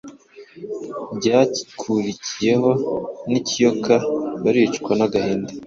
rwakurikiyeho nikiyoka baricwa nagahinda